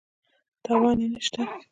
تاوان یې نه شته.